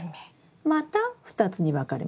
また２つに分かれますね。